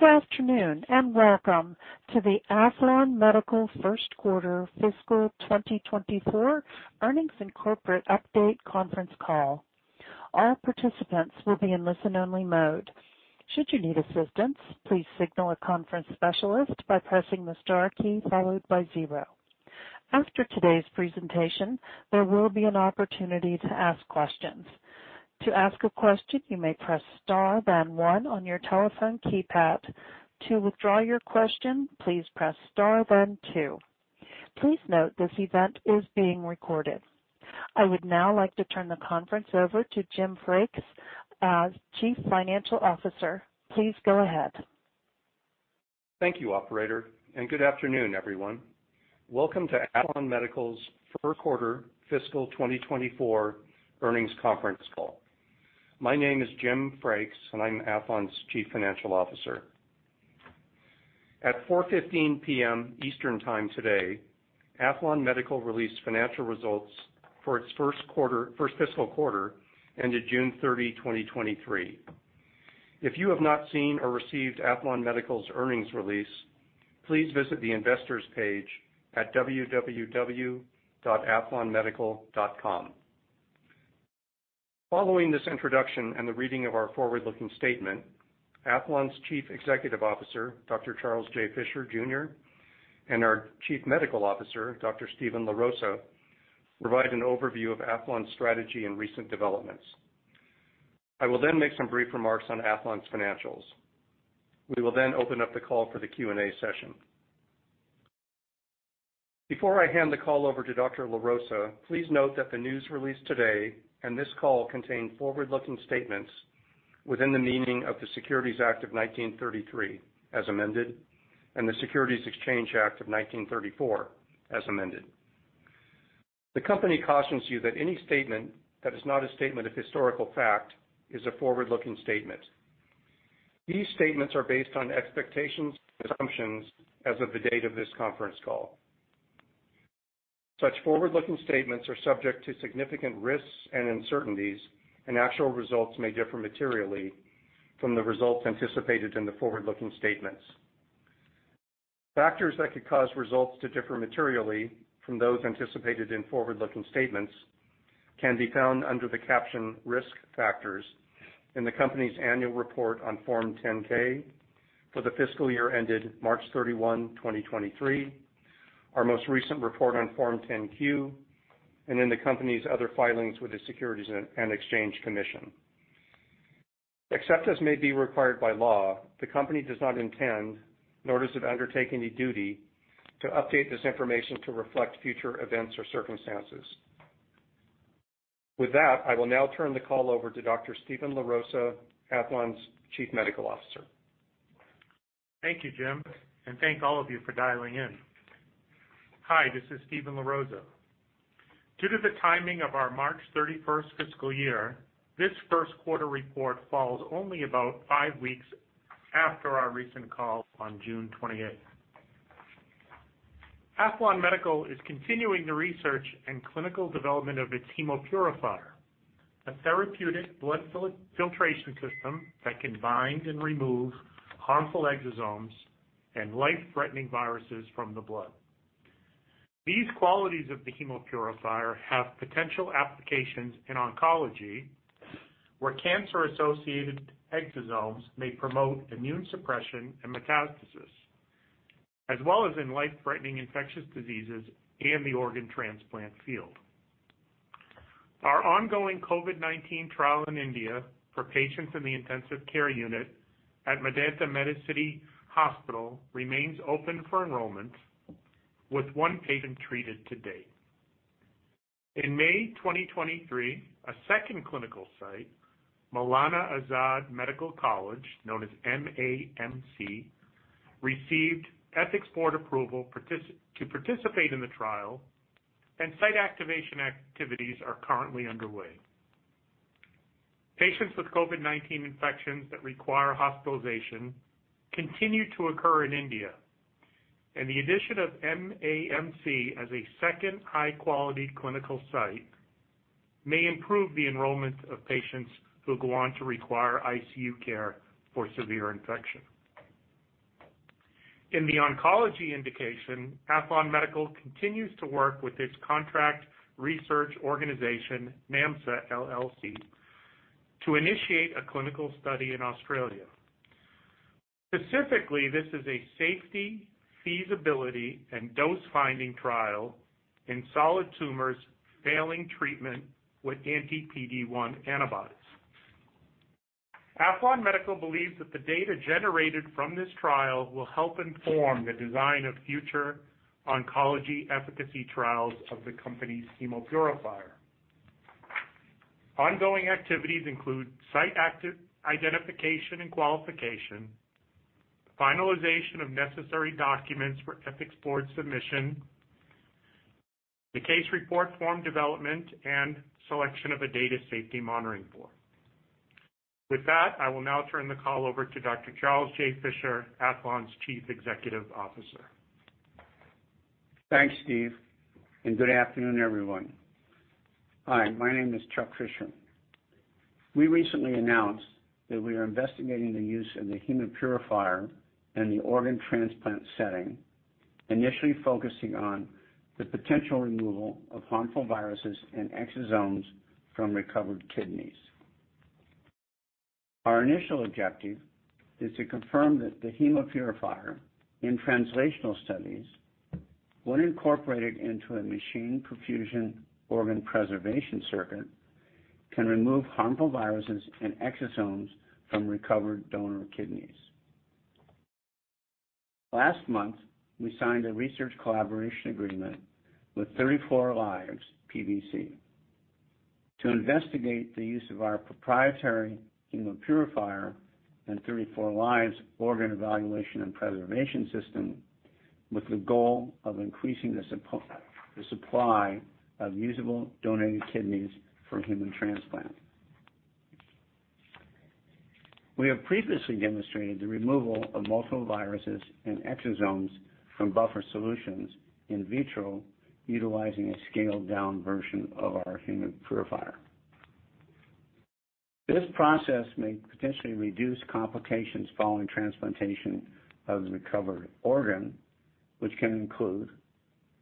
Good afternoon, and welcome to the Aethlon Medical First Quarter Fiscal 2024 Earnings and Corporate Update conference call. All participants will be in listen-only mode. Should you need assistance, please signal a conference specialist by pressing the star key followed by zero. After today's presentation, there will be an opportunity to ask questions. To ask a question, you may press star then one on your telephone keypad. To withdraw your question, please press star then two. Please note this event is being recorded. I would now like to turn the conference over to Jim Frakes, Chief Financial Officer. Please go ahead. Thank you, operator, and good afternoon, everyone. Welcome to Aethlon Medical's Fourth Quarter fiscal 2024 earnings conference call. My name is James Frakes, and I'm Aethlon's Chief Financial Officer. At 4:15 P.M. Eastern Time today, Aethlon Medical released financial results for its 1st quarter - 1st fiscal quarter, ended June 30, 2023. If you have not seen or received Aethlon Medical's earnings release, please visit the investors page at www.aethlonmedical.com. Following this introduction and the reading of our forward-looking statement, Aethlon's Chief Executive Officer, Charles J. Fisher, Jr., and our Chief Medical Officer, Dr. Steven LaRosa, provide an overview of Aethlon's strategy and recent developments. I will then make some brief remarks on Aethlon's financials. We will then open up the call for the Q&A session. Before I hand the call over to Dr. LaRosa, please note that the news release today and this call contain forward-looking statements within the meaning of the Securities Act of 1933, as amended, and the Securities Exchange Act of 1934, as amended. The company cautions you that any statement that is not a statement of historical fact is a forward-looking statement. These statements are based on expectations and assumptions as of the date of this conference call. Such forward-looking statements are subject to significant risks and uncertainties, and actual results may differ materially from the results anticipated in the forward-looking statements. Factors that could cause results to differ materially from those anticipated in forward-looking statements can be found under the caption Risk Factors in the company's annual report on Form 10-K for the fiscal year ended March 31, 2023, our most recent report on Form 10-Q, and in the company's other filings with the Securities and Exchange Commission. Except as may be required by law, the company does not intend nor does it undertake any duty to update this information to reflect future events or circumstances. With that, I will now turn the call over to Dr. Steven LaRosa, Aethlon's Chief Medical Officer. Thank you, Jim, and thank all of you for dialing in. Hi, this is Steven LaRosa. Due to the timing of our March 31st fiscal year, this first quarter report falls only about five weeks after our recent call on June 28th. Aethlon Medical is continuing the research and clinical development of its Hemopurifier, a therapeutic blood filtration system that can bind and remove harmful exosomes and life-threatening viruses from the blood. These qualities of the Hemopurifier have potential applications in oncology, where cancer-associated exosomes may promote immune suppression and metastasis, as well as in life-threatening infectious diseases and the organ transplant field. Our ongoing COVID-19 trial in India for patients in the intensive care unit at Medanta, Medicity Hospital remains open for enrollment, with one patient treated to date. In May 2023, a second clinical site, Maulana Azad Medical College, known as MAMC, received ethics board approval to participate in the trial, and site activation activities are currently underway. Patients with COVID-19 infections that require hospitalization continue to occur in India, and the addition of MAMC as a second high-quality clinical site may improve the enrollment of patients who go on to require ICU care for severe infection. In the oncology indication, Aethlon Medical continues to work with its contract research organization, NAMSA, LLC, to initiate a clinical study in Australia. Specifically, this is a safety, feasibility, and dose-finding trial in solid tumors failing treatment with anti-PD-1 antibodies. Aethlon Medical believes that the data generated from this trial will help inform the design of future oncology efficacy trials of the company's Hemopurifier. Ongoing activities include site active identification and qualification, finalization of necessary documents for ethics board submission, the Case Report Form development, and selection of a Data Safety Monitoring Board. With that, I will now turn the call over to Charles J. Fisher, Jr., Aethlon's Chief Executive Officer. Thanks, Steve, good afternoon, everyone. Hi, my name is Chuck Fisher. We recently announced that we are investigating the use of the Hemopurifier in the organ transplant setting, initially focusing on the potential removal of harmful viruses and exosomes from recovered kidneys. Our initial objective is to confirm that the Hemopurifier in translational studies, when incorporated into a machine perfusion organ preservation circuit, can remove harmful viruses and exosomes from recovered donor kidneys. Last month, we signed a research collaboration agreement with 34 Lives, PBC to investigate the use of our proprietary Hemopurifier and 34 Lives organ evaluation and preservation system, with the goal of increasing the supply of usable donated kidneys for human transplant. We have previously demonstrated the removal of multiple viruses and exosomes from buffer solutions in vitro, utilizing a scaled-down version of our Hemopurifier. This process may potentially reduce complications following transplantation of the recovered organ, which can include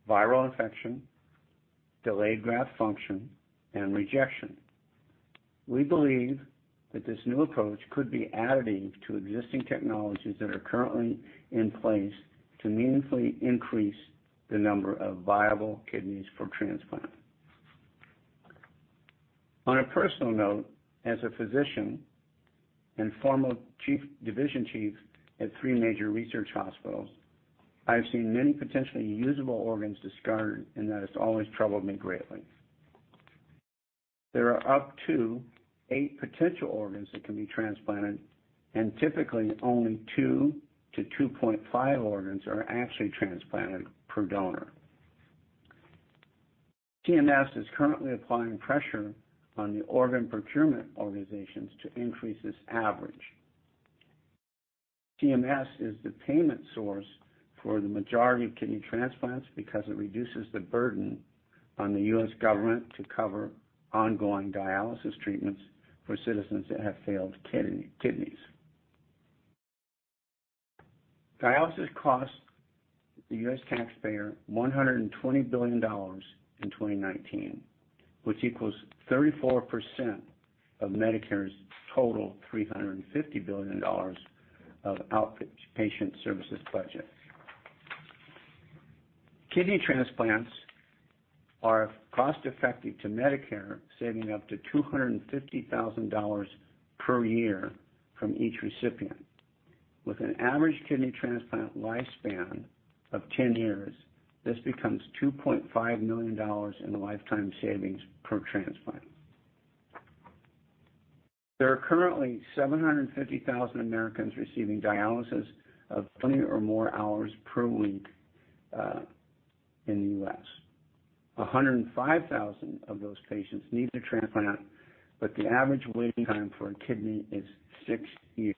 viral infection, delayed graft function, and rejection. We believe that this new approach could be additive to existing technologies that are currently in place to meaningfully increase the number of viable kidneys for transplant. On a personal note, as a physician and former chief, division chief at 3 major research hospitals, I have seen many potentially usable organs discarded, and that has always troubled me greatly. There are up to eight potential organs that can be transplanted, and typically only 2-2.5 organs are actually transplanted per donor. CMS is currently applying pressure on the Organ Procurement Organizations to increase this average. CMS is the payment source for the majority of kidney transplants because it reduces the burden on the US government to cover ongoing dialysis treatments for citizens that have failed kidneys. Dialysis cost the US taxpayer $120 billion in 2019, which equals 34% of Medicare's total $350 billion of outpatient services budget. Kidney transplants are cost-effective to Medicare, saving up to $250,000 per year from each recipient. With an average kidney transplant lifespan of 10 years, this becomes $2.5 million in lifetime savings per transplant. There are currently 750,000 Americans receiving dialysis of 20 or more hours per week in the US. 105,000 of those patients need a transplant, but the average waiting time for a kidney is 6 years.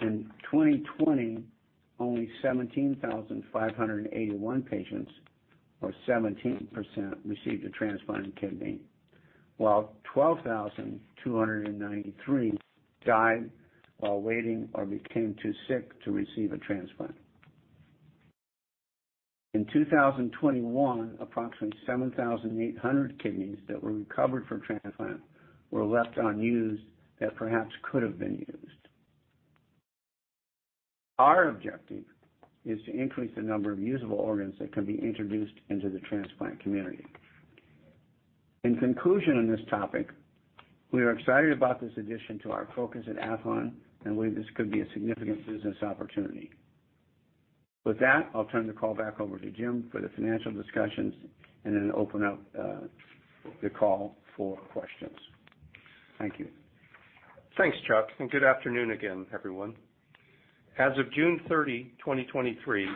In 2020, only 17,581 patients, or 17%, received a transplanted kidney, while 12,293 died while waiting or became too sick to receive a transplant. In 2021, approximately 7,800 kidneys that were recovered from transplant were left unused that perhaps could have been used. Our objective is to increase the number of usable organs that can be introduced into the transplant community. In conclusion on this topic, we are excited about this addition to our focus at Aethlon and believe this could be a significant business opportunity. With that, I'll turn the call back over to Jim for the financial discussions and then open up the call for questions. Thank you. Thanks, Chuck. Good afternoon again, everyone. As of June 30, 2023,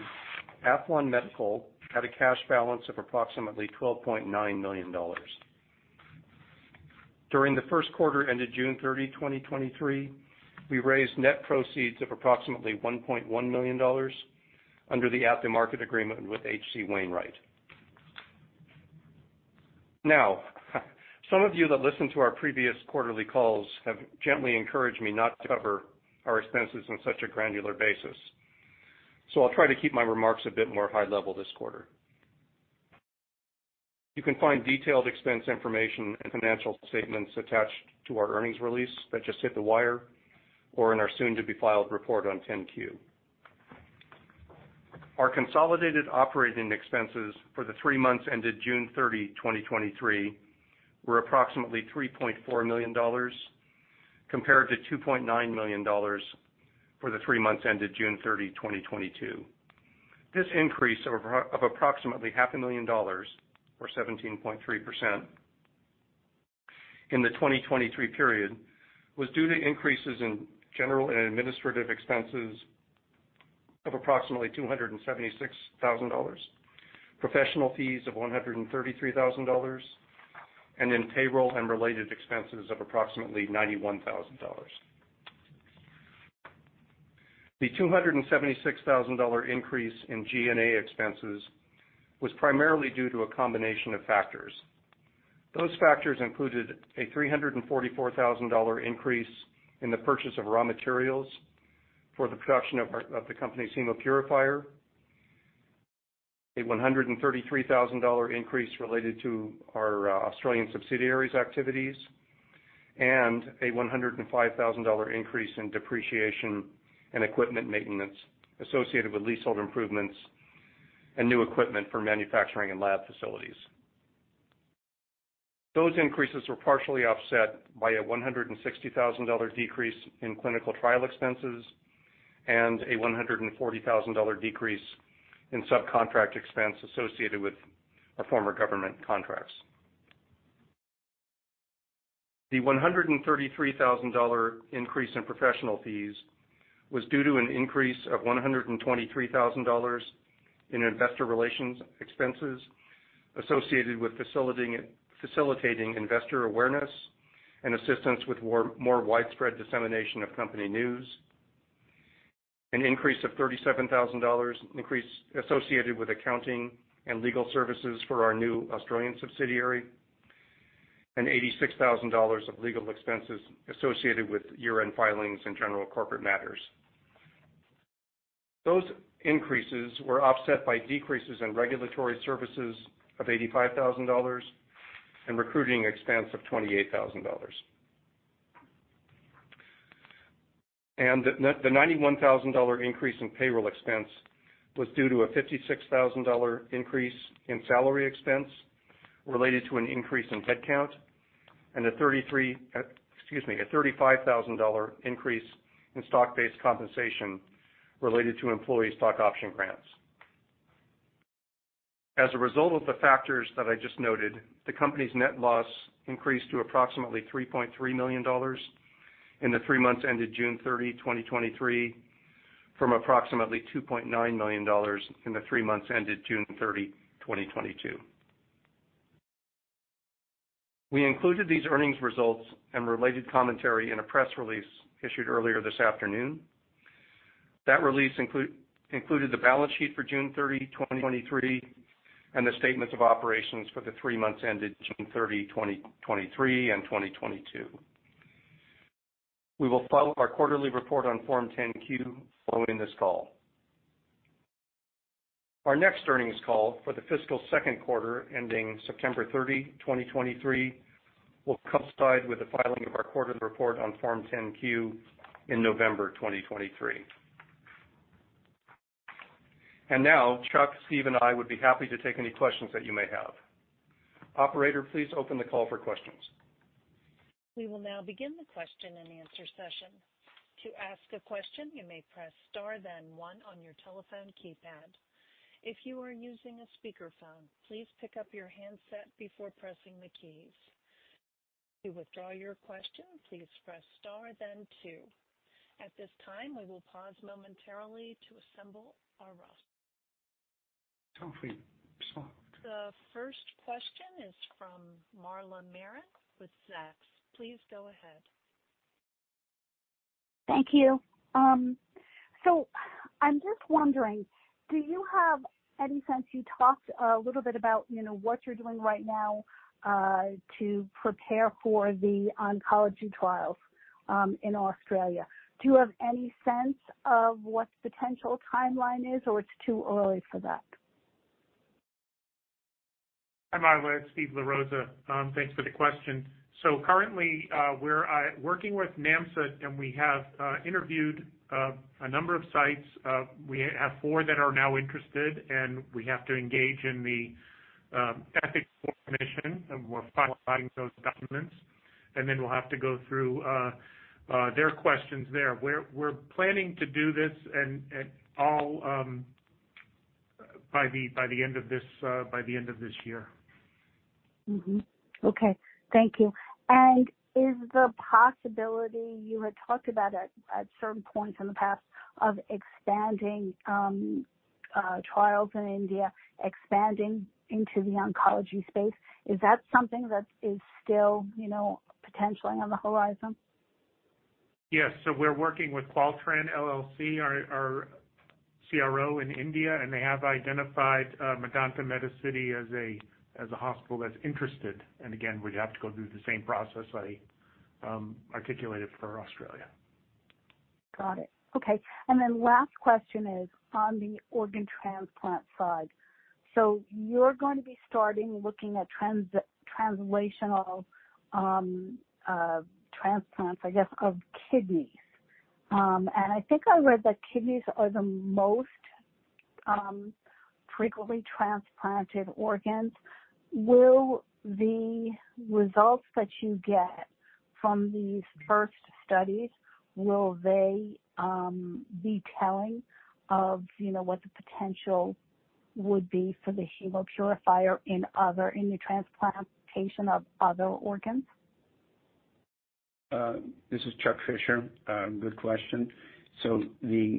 Aethlon Medical had a cash balance of approximately $12.9 million. During the first quarter ended June 30, 2023, we raised net proceeds of approximately $1.1 million under the at-the-market agreement with H.C. Wainwright. Now, some of you that listened to our previous quarterly calls have gently encouraged me not to cover our expenses on such a granular basis, so I'll try to keep my remarks a bit more high level this quarter. You can find detailed expense information and financial statements attached to our earnings release that just hit the wire or in our soon-to-be-filed report on 10-Q. Our consolidated operating expenses for the three months ended June 30, 2023, were approximately $3.4 million, compared to $2.9 million for the three months ended June 30, 2022. This increase of approximately $500,000, or 17.3% in the 2023 period, was due to increases in general and administrative expenses of approximately $276,000, professional fees of $133,000, and in payroll and related expenses of approximately $91,000. The 276,000 increase in G&A expenses was primarily due to a combination of factors. Those factors included a $344,000 increase in the purchase of raw materials for the production of the company's Hemopurifier, a $133,000 increase related to our Australian subsidiary's activities, and a $105,000 increase in depreciation and equipment maintenance associated with leasehold improvements and new equipment for manufacturing and lab facilities. Those increases were partially offset by a $160,000 decrease in clinical trial expenses and a $140,000 decrease in subcontract expense associated with our former government contracts. The $133,000 increase in professional fees was due to an increase of $123,000 in investor relations expenses associated with facilitating investor awareness and assistance with more widespread dissemination of company news. An increase of $37,000 increase associated with accounting and legal services for our new Australian subsidiary, and $86,000 of legal expenses associated with year-end filings and general corporate matters. Those increases were offset by decreases in regulatory services of $85,000 and recruiting expense of $28,000. The net- the $91,000 increase in payroll expense was due to a $56,000 increase in salary expense related to an increase in headcount, and a 33, excuse me, a $35,000 increase in stock-based compensation related to employee stock option grants. As a result of the factors that I just noted, the company's net loss increased to approximately $3.3 million in the three months ended June 30, 2023, from approximately $2.9 million in the three months ended June 30, 2022. We included these earnings results and related commentary in a press release issued earlier this afternoon. That release included the balance sheet for June 30, 2023, and the statements of operations for the three months ended June 30, 2023, and 2022. We will file our quarterly report on Form 10-Q following this call. Our next earnings call for the fiscal second quarter, ending September 30, 2023, will coincide with the filing of our quarterly report on Form 10-Q in November 2023. Now, Chuck, Steve, and I would be happy to take any questions that you may have. Operator, please open the call for questions. We will now begin the question and answer session. To ask a question, you may press star then one on your telephone keypad. If you are using a speakerphone, please pick up your handset before pressing the keys. To withdraw your question, please press star then two. At this time, we will pause momentarily to assemble our. [inaudible] Go for it. The first question is from Marla Marin with Zacks. Please go ahead. Thank you. I'm just wondering. You talked a little bit about, you know, what you're doing right now, to prepare for the oncology trials in Australia. Do you have any sense of what the potential timeline is, or it's too early for that? Hi, Marla, it's Steven LaRosa. Thanks for the question. Currently, we're working with NAMSA, and we have interviewed a number of sites. We have four that are now interested, and we have to engage in the ethics board commission, and we're finalizing those documents, and then we'll have to go through their questions there. We're planning to do this and all by the end of this, by the end of this year. Okay, thank you. Is the possibility you had talked about at, at certain points in the past, of expanding, trials in India, expanding into the oncology space? Is that something that is still, you know, potentially on the horizon? Yes. We're working with Qualtran LLC, our, our CRO in India, and they have identified Medanta Medicity as a as a hospital that's interested. Again, we'd have to go through the same process I articulated for Australia. Got it. Okay. Then last question is on the organ transplant side. You're going to be starting looking at translational transplants, I guess, of kidneys. I think I read that kidneys are the most frequently transplanted organs. Will the results that you get from these first studies, will they be telling of, you know, what the potential would be for the Hemopurifier in other, in the transplantation of other organs? This is Chuck Fisher. Good question. The,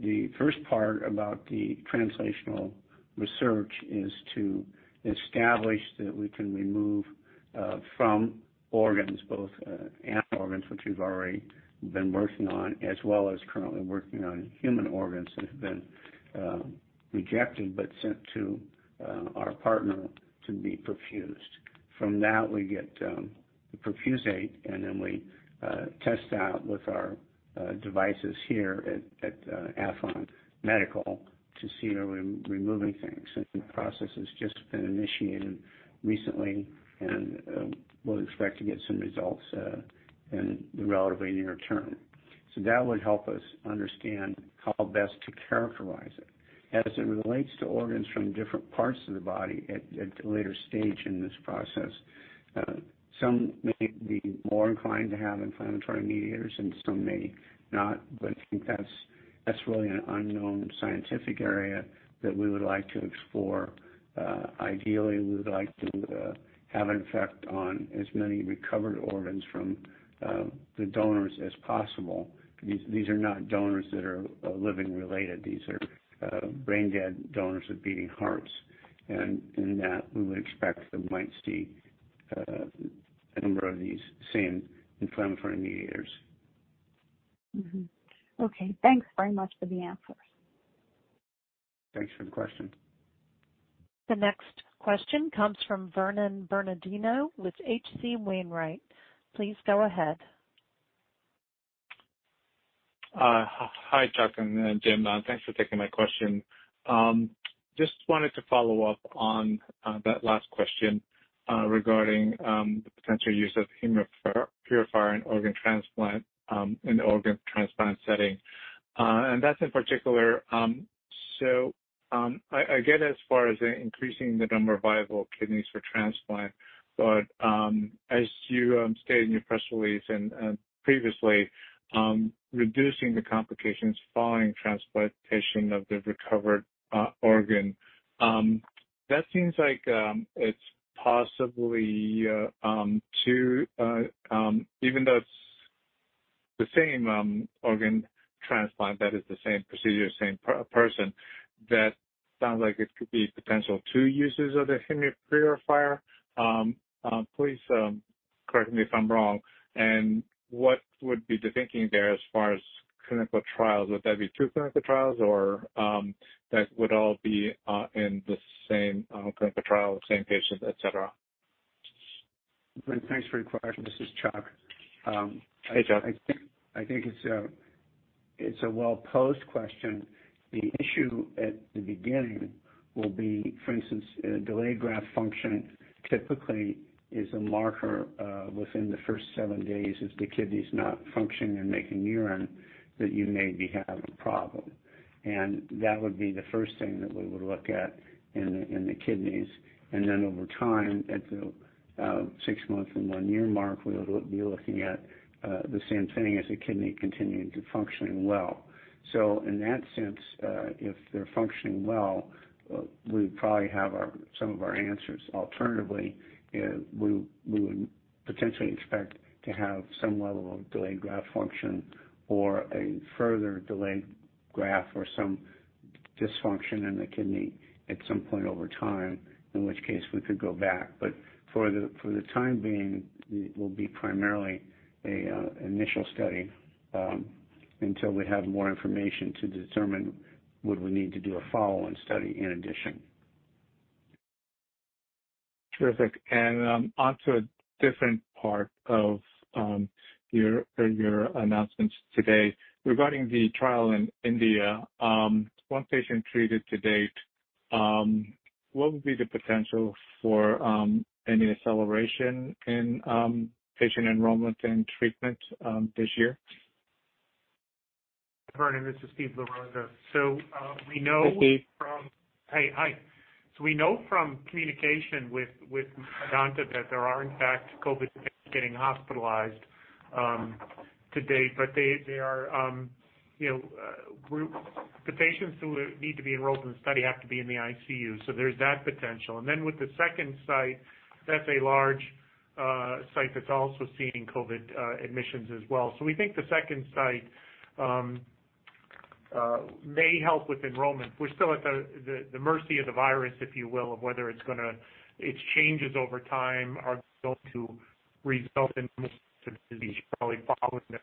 the first part about the translational research is to establish that we can remove from organs, both, animal organs, which we've already been working on, as well as currently working on human organs that have been rejected, but sent to our partner to be perfused. From that, we get the perfusate, and then we test out with our devices here at, at Aethlon Medical to see are we removing things. The process has just been initiated recently, and we'll expect to get some results in the relatively near term. That would help us understand how best to characterize it. As it relates to organs from different parts of the body at, at the later stage in this process, some may be more inclined to have inflammatory mediators, and some may not, but I think that's, that's really an unknown scientific area that we would like to explore. Ideally, we would like to have an effect on as many recovered organs from the donors as possible. These, these are not donors that are living-related. These are brain dead donors with beating hearts. In that, we would expect that we might see a number of these same inflammatory mediators. Okay, thanks very much for the answers. Thanks for the question. The next question comes from Vernon Bernardino with H.C. Wainwright. Please go ahead. Hi, Chuck and Jim. Thanks for taking my question. Just wanted to follow up on that last question regarding the potential use of Hemopurifier in organ transplant, in the organ transplant setting. And that's in particular. I get as far as increasing the number of viable kidneys for transplant, but as you stated in your press release and previously, reducing the complications following transplantation of the recovered organ, that seems like it's possibly two, even though it's the same organ transplant, that is the same procedure, same person, that sounds like it could be potential two uses of the Hemopurifier. Please correct me if I'm wrong. What would be the thinking there as far as clinical trials? Would that be two clinical trials, or, that would all be in the same clinical trial, same patient, et cetera? Vernon, thanks for your question. This is Chuck. Hey, Chuck. I think, I think it's a, it's a well-posed question. The issue at the beginning will be, for instance, delayed graft function typically is a marker, within the first seven days. If the kidney's not functioning and making urine, then you maybe have a problem, and that would be the first thing that we would look at in the, in the kidneys. Then over time, at the six-month and one-year mark, we would be looking at the same thing, is the kidney continuing to functioning well. In that sense, if they're functioning well, we'd probably have our, some of our answers. Alternatively, we, we would potentially expect to have some level of delayed graft function or a further delayed graft or some dysfunction in the kidney at some point over time, in which case we could go back. For the, for the time being, it will be primarily a initial study, until we have more information to determine would we need to do a follow-on study in addition. Terrific. Onto a different part of, your, your announcements today. Regarding the trial in India, one patient treated to date, what would be the potential for, any acceleration in, patient enrollment and treatment, this year? Vernon, this is Steve LaRosa. Hi, Steve. Hey, hi. We know from communication with, with Medanta that there are, in fact, COVID patients getting hospitalized to date. They, they are, you know, the patients who need to be enrolled in the study have to be in the ICU, so there's that potential. With the second site, that's a large site that's also seeing COVID admissions as well. We think the second site may help with enrollment. We're still at the, the, the mercy of the virus, if you will, of whether it's going to... Its changes over time are going to result in more disease. Probably following that,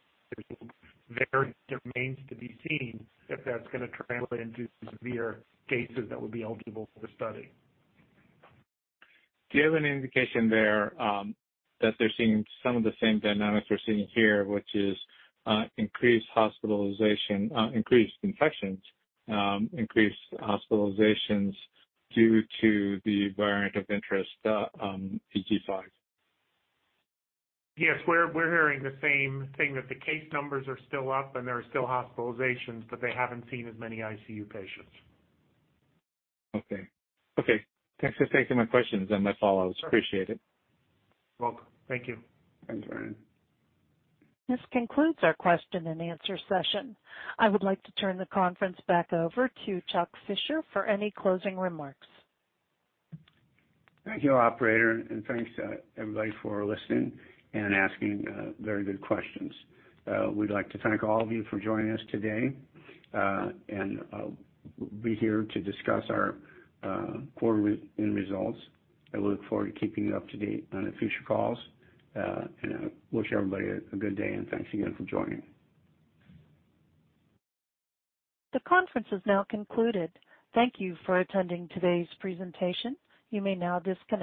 there remains to be seen if that's going to translate into severe cases that would be eligible for the study. Do you have any indication there, that they're seeing some of the same dynamics we're seeing here, which is, increased hospitalization, increased infections, increased hospitalizations due to the variant of interest, EG.5? Yes, we're, we're hearing the same thing, that the case numbers are still up, and there are still hospitalizations, but they haven't seen as many ICU patients. Okay. Okay, thanks for taking my questions and my follows. Sure. Appreciate it. Welcome. Thank you. Thanks, Vernon. This concludes our question-and-answer session. I would like to turn the conference back over to Chuck Fisher for any closing remarks. Thank you, operator, and thanks to everybody for listening and asking very good questions. We'd like to thank all of you for joining us today, and we'll be here to discuss our quarter-end results. I look forward to keeping you up to date on the future calls, and I wish everybody a good day, and thanks again for joining. The conference is now concluded. Thank you for attending today's presentation. You may now disconnect.